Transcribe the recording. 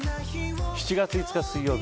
７月５日水曜日